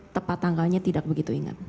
tepat tanggalnya tidak begitu ingat